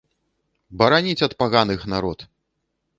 Бараніць ад паганых народ!